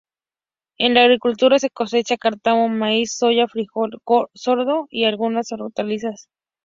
En la agricultura se cosecha cártamo, maíz, soya, fríjol, sorgo y algunas hortalizas.